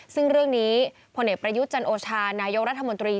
ซึ่งเรื่องนี้พลเอกประยุทธ์จันโอชานายกรัฐมนตรี